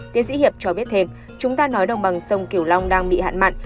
tiến sĩ hiệp cho biết thêm chúng ta nói đồng bằng sông kiểu long đang bị hạn mặn